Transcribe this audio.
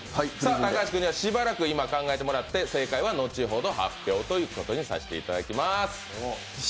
高橋君にはしばらく今、考えてもらって、正解は後ほど発表とさせていただきます。